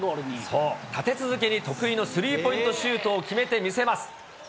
そう、立て続けに得意のスリーポイントシュートを決めてみせます。